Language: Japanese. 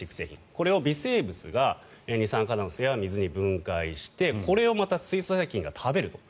これを微生物が二酸化炭素や水に分解してこれをまた水素細菌が食べると。